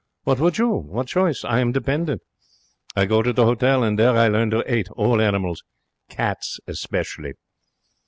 What would you? What choice? I am dependent. I go to the hotel, and there I learn to 'ate all animals. Cats especially.